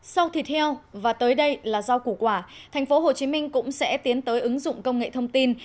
sau thịt heo và tới đây là rau củ quả thành phố hồ chí minh cũng sẽ tiến tới ứng dụng công nghệ thông tin